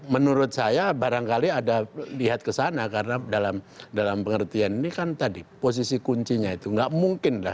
menurut saya barangkali ada lihat kesana karena dalam pengertian ini kan tadi posisi kuncinya itu nggak mungkin lah